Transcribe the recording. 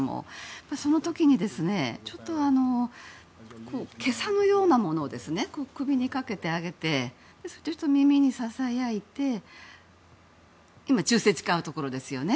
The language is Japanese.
その時、ちょっと袈裟のようなものを首にかけてあげて耳にささやいて今、忠誠を使うところですね。